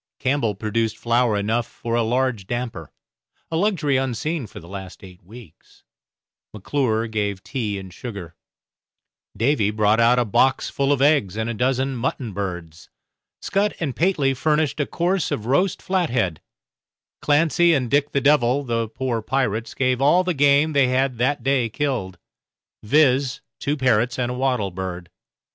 Campbell produced flour enough for a large damper, a luxury unseen for the last eight weeks; McClure gave tea and sugar; Davy brought out a box full of eggs and a dozen mutton birds; Scutt and Pateley furnished a course of roast flathead; Clancy and Dick the Devil, the poor pirates, gave all the game they had that day killed, viz., two parrots and a wattle bird.